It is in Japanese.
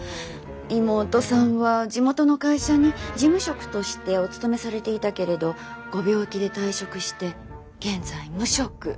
妹さんは地元の会社に事務職としてお勤めされていたけれどご病気で退職して現在無職。